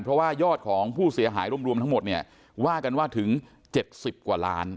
เพราะว่ายอดของผู้เสียหายรวมทั้งหมดเนี่ยว่ากันว่าถึง๗๐กว่าล้าน